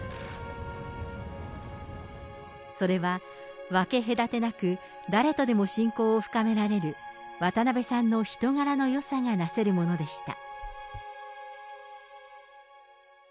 それは、分け隔てなく、誰とでも親交を深められる渡辺さんの人柄のよさがなせるものでした。